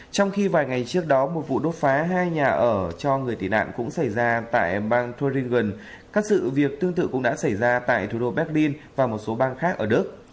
trong khi vài ngày trước đó một vụ đốt phá hai nhà ở cho người tị nạn cũng xảy ra tại bang thuring các sự việc tương tự cũng đã xảy ra tại thủ đô berlin và một số bang khác ở đức